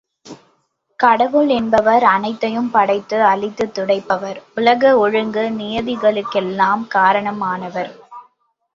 கடவுள் என்பவர் அனைத்தையும் படைத்து அளித்துக் துடைப்பவர், உலக ஒழுங்கு, நியதிகளுக்கெல்லாம் காரணம் ஆனவர்.